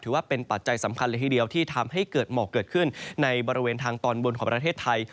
ปัจจัยสำคัญเลยทีเดียวที่ทำให้เกิดหมอกเกิดขึ้นในบริเวณทางตอนบนของประเทศไทย